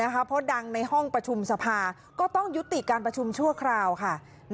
เพราะดังในห้องประชุมสภาก็ต้องยุติการประชุมชั่วคราวค่ะ